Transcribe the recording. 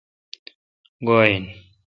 گوا ان۔